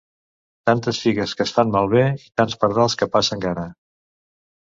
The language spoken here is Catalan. Tantes figues que es fan malbé i tants pardals que passen gana.